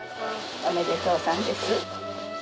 おめでとうさんです。